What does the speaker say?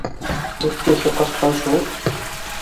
— Бик төҫө ҡасҡан шул